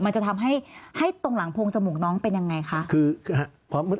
มันจะทำให้ตรงหลังโพงจมูกน้องเป็นยังไงคะ